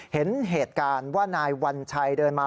เห็นเหตุการณ์ว่านายวัญชัยเดินมา